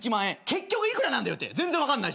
結局幾らなんだって全然分かんないし。